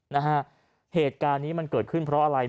นะฮะเหตุการณ์นี้มันเกิดขึ้นเพราะอะไร